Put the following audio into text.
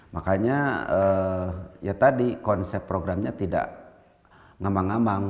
makanya ya tadi konsep programnya tidak ngambang ngambang